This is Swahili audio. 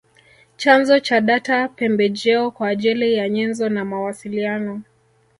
Chanzo cha data pembejeo kwa ajili ya nyenzo na mawasiliano